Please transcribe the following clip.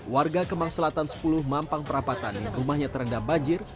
warga kemang selatan sepuluh mampang perapatan yang rumahnya terendam banjir